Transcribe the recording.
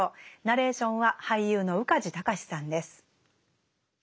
ナレーションは俳優の宇梶剛士さんです。